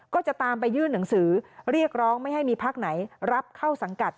ก็จะตามไปยื่นหนังสือเรียกร้องไม่ให้มีพักไหนรับเข้าสังกัด